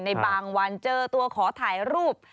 ในบางวันเจอตัวขอถ่ายรูป